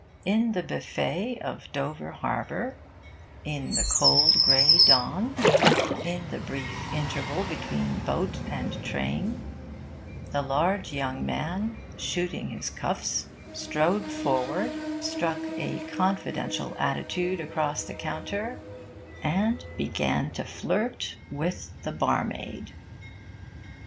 In the Buffet of Dover Harbour, in the cold grey dawn, in the brief interval between boat and train, the large young man, shooting his cuffs, strode forward, struck a confidential attitude across the counter, and began to flirt with the barmaid.